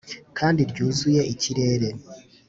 kandi ryuzuye ikirere,